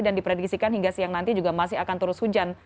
diprediksikan hingga siang nanti juga masih akan terus hujan